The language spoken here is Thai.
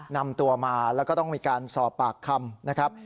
นำตัวมาแล้วก็ต้องมีการสอบปากคำนะครับ